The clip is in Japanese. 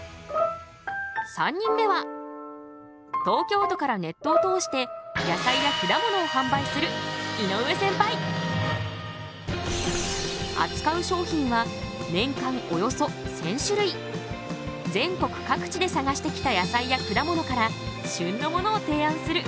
３人目は東京都からネットを通して野菜や果物を販売するあつかう商品は全国各地で探してきた野菜や果物から旬のものを提案する。